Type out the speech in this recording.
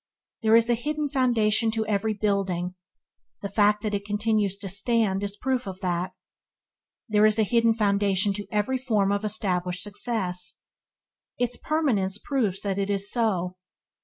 There is a hidden foundation to every building; the fact that it continues to stands is proof of that. There is a hidden foundation to every from of established success; its permanence proves that it is so.